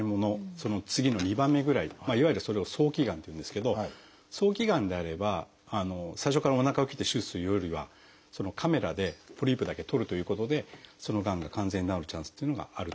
その次の２番目ぐらいいわゆるそれを早期がんっていうんですけど早期がんであれば最初からおなかを切って手術するよりはカメラでポリープだけ取るということでそのがんが完全に治るチャンスというのがあるということなんですよね。